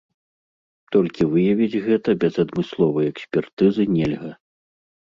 Толькі выявіць гэтага без адмысловай экспертызы нельга.